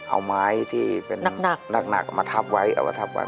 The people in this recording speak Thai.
เอาไม้ที่เป็นหนักเอามาทับไว้เอามาทับไว้